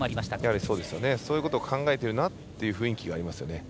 そういうことを考えてるなという雰囲気がありますよね。